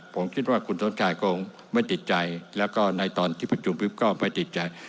ผมคิดว่าคุณสมชายคงไม่ติดใจแล้วก็ในตอนที่ประชุมปุ๊บก็ไม่ติดใจ